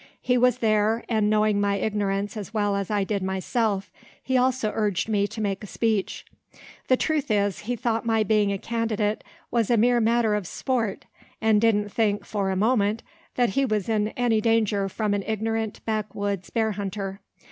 He was there, and knowing my ignorance as well as I did myself, he also urged me to make a speech. The truth is, he thought my being a candidate was a mere matter of sport; and didn't think, for a moment, that he was in any danger from an ignorant back woods bear hunter.